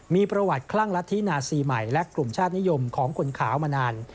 มีประวัติคลั่งรัฐธินาซีใหม่และกลุ่มชาตินิยมของคนขาวมานาน